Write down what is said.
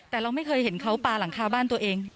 แต่เราไม่เคยเห็นเขาปลาหลังคาบ้านตัวเอง